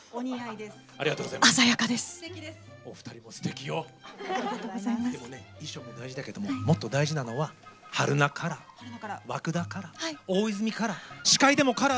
でもね、衣装も大事だけどもっと大事なのは春奈カラー、和久田カラー大泉カラー。